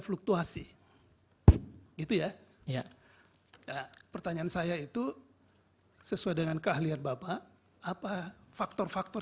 fluktuasi gitu ya pertanyaan saya itu sesuai dengan keahlian bapak apa faktor faktor